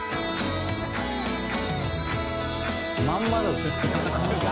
「まんまの」